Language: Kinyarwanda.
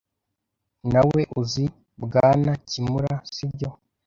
Nawe, uzi Bwana Kimura, sibyo?